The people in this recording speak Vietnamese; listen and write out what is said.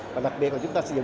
và đặc biệt là chúng ta sử dụng